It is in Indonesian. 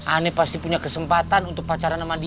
aneh pasti punya kesempatan untuk pacaran sama dia